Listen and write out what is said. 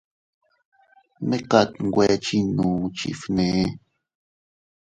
Mekat nwe chiinnu chifgnee.